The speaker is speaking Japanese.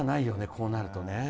こうなるとね。